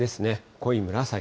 濃い紫。